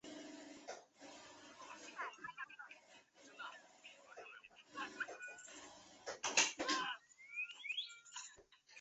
有时它亦指黑洞辐射的熵含量开始降低的瞬间。